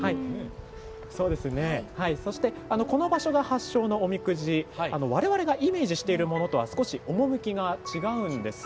そしてこの場所が発祥のおみくじ我々がイメージしているものとは少し趣が違うんです。